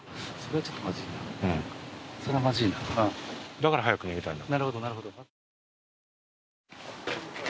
だから早く逃げたいんだ。